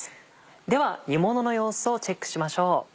では煮ものの様子をチェックしましょう。